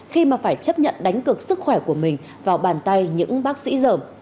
khi mà phải chấp nhận đánh cực sức khỏe của mình vào bàn tay những bác sĩ dởm